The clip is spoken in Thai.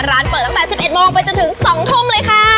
ร้านเปิดตั้งแต่๑๑โมงไปจนถึง๒ทุ่มเลยค่ะ